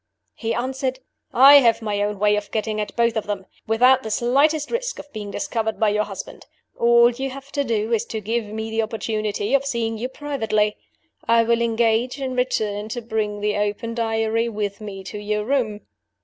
"He answered, 'I have my own way of getting at both of them, without the slightest risk of being discovered by your husband. All you have to do is to give me the opportunity of seeing you privately. I will engage, in return, to bring the open Diary with me to your room.